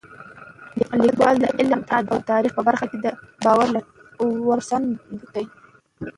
لیکوالی د علم، ادب او تاریخ په برخه کې د باور وړ سند دی.